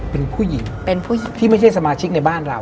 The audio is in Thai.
เป็นผู้หญิงที่ไม่ใช่สมาชิกในบ้านเรา